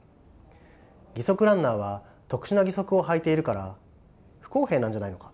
義足ランナーは特殊な義足をはいているから不公平なんじゃないのか。